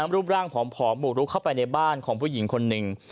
รูปร่างผอมบุกรุกเข้าไปในบ้านของผู้หญิงคนหนึ่ง